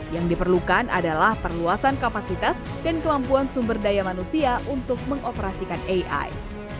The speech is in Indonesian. yang diperlukan adalah perluasan kapasitas dan kemampuan sumber daya manusia untuk mengoperasikan ai